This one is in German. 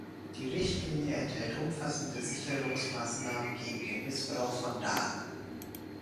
Die Richtlinie enthält umfassende Sicherungsmaßnahmen gegen den Missbrauch von Daten.